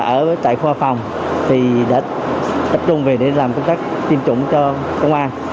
ở tại khoa phòng thì đã tập trung về để làm công tác tiêm chủng cho công an